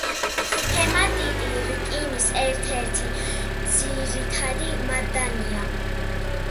ჰემატიტი რკინის ერთ-ერთი ძირითადი მადანია.